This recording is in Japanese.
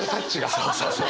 そうそうそう。